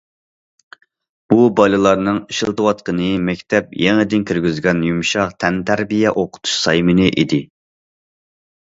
بۇ بالىلارنىڭ ئىشلىتىۋاتقىنى مەكتەپ يېڭىدىن كىرگۈزگەن يۇمشاق تەنتەربىيە ئوقۇتۇش سايمىنى ئىدى.